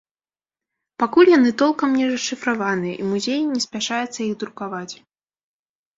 Пакуль яны толкам не расшыфраваныя, і музей не спяшаецца іх друкаваць.